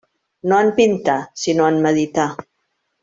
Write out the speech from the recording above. No en pintar, sinó en meditar.